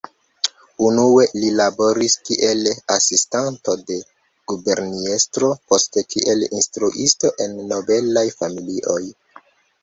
Unue li laboris kiel asistanto de guberniestro, poste kiel instruisto en nobelaj familioj.